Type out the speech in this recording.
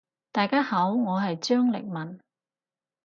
大家好，我係張力文。